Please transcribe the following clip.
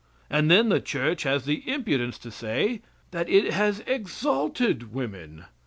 And then the church has the impudence to say that it has exalted women.